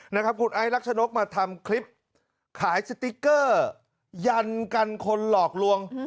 นะครับคุณไอ้รักชนกมาทำคลิปขายสติ๊กเกอร์ยันกันคนหลอกลวง